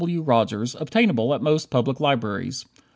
W. Rogers, obtainable at most public libraries.